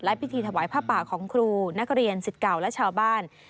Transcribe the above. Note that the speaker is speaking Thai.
พิธีถวายผ้าป่าของครูนักเรียนสิทธิ์เก่าและชาวบ้าน